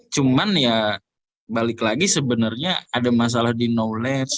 cuman ya balik lagi sebenarnya ada masalah di knowledge